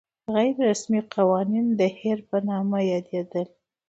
غیر رسمي قوانین د هیر په نامه یادېدل.